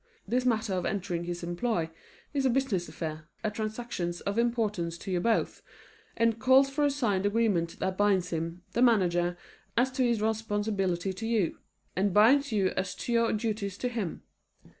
This matter of entering his employ is a business affair, a transaction of importance to you both, and calls for a signed agreement that binds him, the manager, as to his responsibility to you, and binds you as to your duties to him.